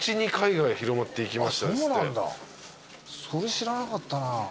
それ知らなかったな。